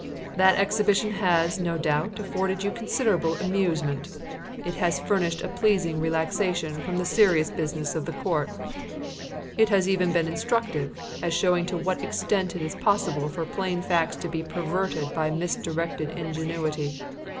That exhibition has, no doubt, afforded you considerable amusement. It has furnished a pleasing relaxation from the serious business of the court. It has even been instructive, as showing to what extent it is possible for plain facts to be perverted by misdirected ingenuity.